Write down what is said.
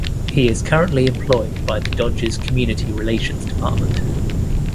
He is currently employed by the Dodgers Community Relations Department.